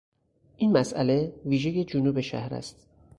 این مسئله ویژهی جنوب شهر است.